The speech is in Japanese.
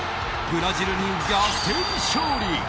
ブラジルに逆転勝利。